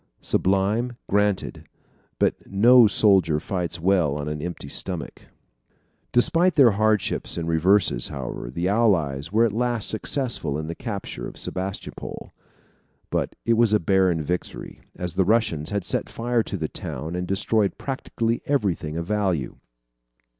Sublime? Granted. But no soldier fights well on an empty stomach. Despite their hardships and reverses, however, the Allies were at last successful in the capture of Sebastopol. But it was a barren victory, as the Russians had set fire to the town and destroyed practically everything of value.